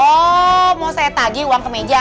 oh mau saya tagi uang ke meja